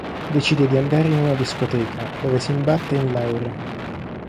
Decide di andare in una discoteca, dove si imbatte in Laura.